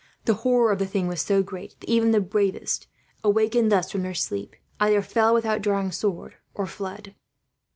The horror of the thing was so great that even the bravest, awakened thus from their sleep, either fell without drawing sword, or fled."